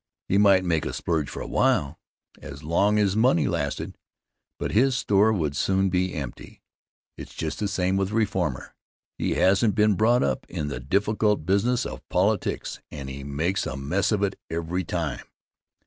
He might make a splurge for a while, as long as his money lasted, but his store would soon be empty. It's just the same with a reformer. He hasn't been brought up in the difficult business of politics and he makes a mess of it every time.